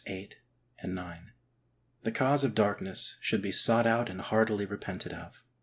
8, 9). The cause of darkness should be sought out and heartily repented of.